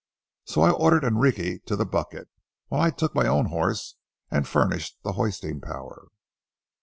So I ordered Enrique to the bucket, while I took my own horse and furnished the hoisting power.